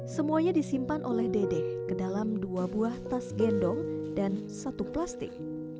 semuanya disimpan oleh dede ke dalam dua buah tas gendong dan satu plastik